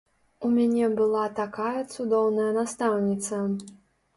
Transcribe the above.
У мяне была такая цудоўная настаўніца.